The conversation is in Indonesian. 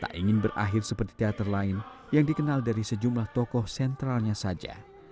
tak ingin berakhir seperti teater lain yang dikenal dari sejumlah tokoh sentralnya saja